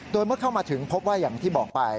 โดยเมื่อเข้ามาถึงพบว่าอย่างที่บอกไป